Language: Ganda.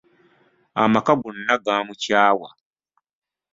Amaka gonna gaamukyawa.